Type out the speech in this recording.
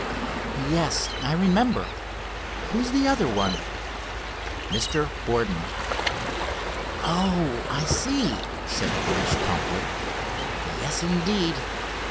"Yes, I remember. Who is the other one?" "Mr. Borden." "Oh, I see," said Bruce promptly. "Yes, indeed.